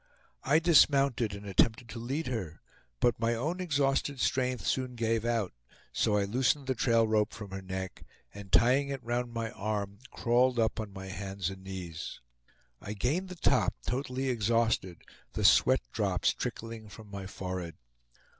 I dismounted, and attempted to lead her; but my own exhausted strength soon gave out; so I loosened the trail rope from her neck, and tying it round my arm, crawled up on my hands and knees. I gained the top, totally exhausted, the sweat drops trickling from my forehead.